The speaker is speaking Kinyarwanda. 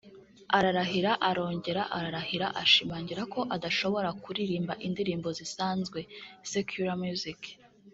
ararahira arongera ararahira ashimangira ko adashobora kuririmba indirimbo zisanzwe (secular music)